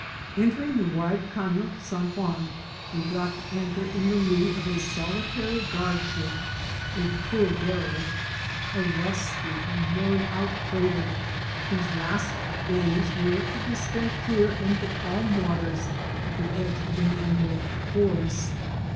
Entering the wide Cafio San Juan we dropped anchor in the lee of a solitary guard ship, a poor derelict, a rusty and worn out freighter, whose last days were to be spent here in the calm waters at the edge of the mangrove forest.